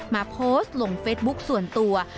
มาโพสต์ลงเฟซบุ๊คส่วนตัว